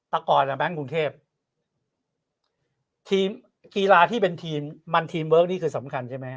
ตะกรแป๊กกรุงเทพฯฟิลาที่เป็นมันทีมเวิร์กนี่คือสำคัญใช่ไหม